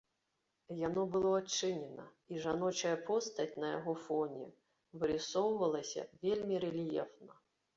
Яно было адчынена, і жаночая постаць на яго фоне вырысоўвалася вельмі рэльефна.